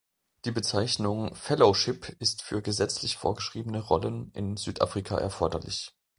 Die Bezeichnung „Fellowship“ ist für gesetzlich vorgeschriebene Rollen in Südafrika erforderlich.